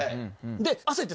で焦って。